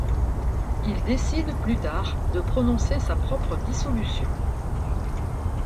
Il décide plus tard de prononcer sa propre dissolution.